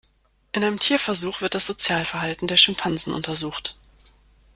In einem Tierversuch wird das Sozialverhalten der Schimpansen untersucht.